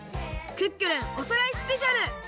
クックルンおさらいスペシャル！」。